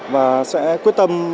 và sẽ quyết tâm